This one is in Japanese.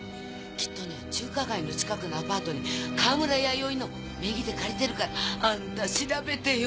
きっと中華街の近くのアパートに川村弥生の名義で借りてるからあんた調べてよ。